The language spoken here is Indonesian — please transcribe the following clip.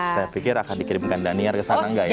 saya pikir akan dikirimkan daniel kesana gak ya